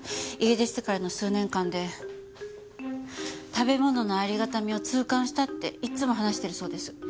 家出してからの数年間で食べ物のありがたみを痛感したっていつも話してるそうです。